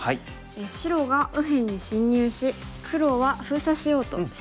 白が右辺に侵入し黒は封鎖しようとしてできた局面です。